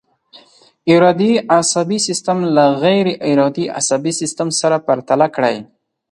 ارادي عصبي سیستم له غیر ارادي عصبي سیستم سره پرتله کړئ.